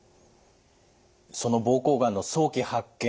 その膀胱がんの早期発見